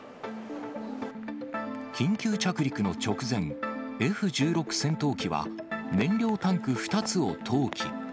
緊急着陸の直前、Ｆ１６戦闘機は燃料タンク２つを投棄。